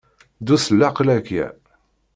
Ddu s leɛqel akya.